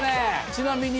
ちなみに。